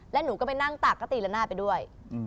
แล้วหนูก็ไปนั่งตากก็ตีละหน้าไปด้วย